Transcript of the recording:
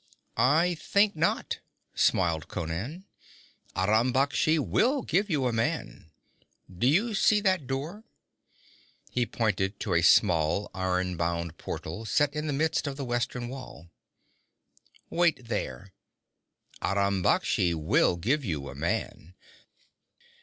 'I think not,' smiled Conan. 'Aram Baksh will give you a man. Do you see that door?' He pointed to a small, iron bound portal set in the midst of the western wall. 'Wait there. Aram Baksh will give you a man.'